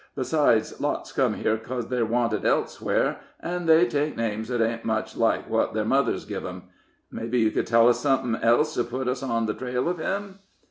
Besides, lots comes here 'cos they're wanted elsewhere, an' they take names that ain't much like what their mothers giv 'em. Mebbe you could tell us somethin' else to put us on the trail of him?"